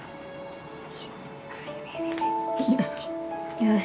よし！